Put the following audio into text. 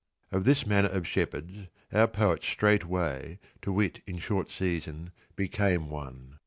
Of this manner of shepherds our poet straight way, to wit in short season, became one.